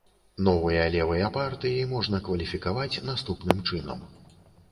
Новыя левыя партыі можна кваліфікаваць наступным чынам.